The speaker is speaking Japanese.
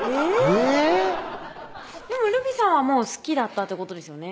えぇ？でもるびぃさんはもう好きだったってことですよね